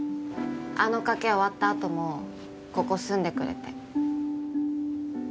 あの賭け終わったあともここ住んでくれて。